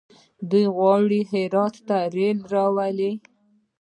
دوی غواړي هرات ته ریل راولي.